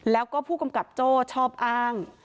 แล้วก็ผู้กำกับโจ้ชอบอ้าง